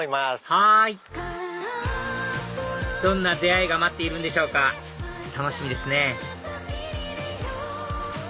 はいどんな出会いが待っているんでしょうか楽しみですね